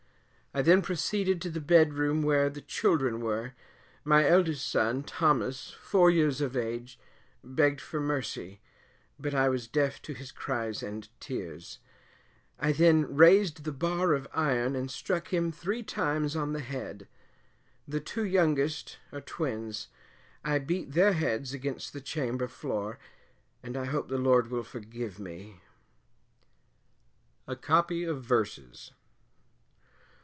I then proceeded to the bed room, where the children were. My eldest son, Thomas, four years of age, begged for mercy, but I was deaf to his cries and tears; I then raised the bar of iron and struck him three times on the head; the two youngest are twins, I beat their heads against the chamber floor, and I hope the Lord will forgive me. A COPY OF VERSES.